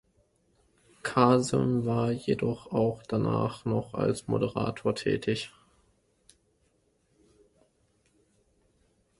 Kasem war jedoch auch danach noch als Moderator tätig.